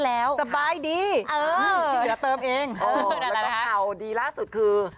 แล้วก็ข่าวดีล่าสุดคือ